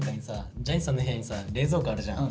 ジャニーさんの部屋にさ冷蔵庫あるじゃん。